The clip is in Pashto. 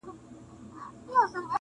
• د لمر رڼا هم کمزورې ښکاري په هغه ځای,